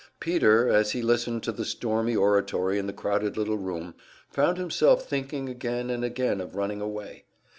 Peter, as he listened to the stormy oratory in the crowded little room, found himself thinking again and again of running away.